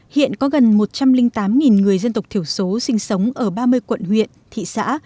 hiện có gần một trăm linh tám người dân tộc thiểu số sinh sống ở ba mươi quận huyện thị xã